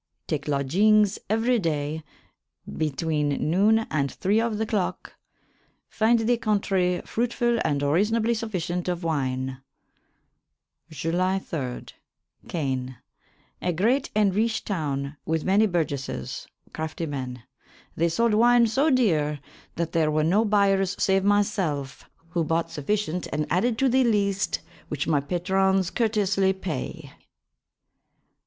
Take lodgynges every day bytwene noone and thre of the clocke. Finde the contrey frutefull and reasonably suffycent of wyne. July 3, Cane. A great and ryche town with many burgesses, crafty men. They solde wyne so deare that there were no byers save myself who bought suffycent and added to the lyste which my patrons curtesly pay.